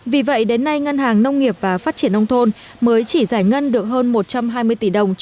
vì vậy đến nay ngân hàng nông nghiệp và phát triển nông thôn mới chỉ giải ngân được hơn một trăm hai mươi tỷ đồng